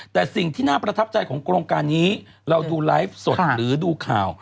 แต่สิ่งที่น่าประทับใจของโครงการนี้เราดูไลฟ์สดหรือดูข่าว